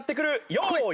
用意。